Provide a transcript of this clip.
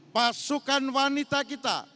pasukan wanita kita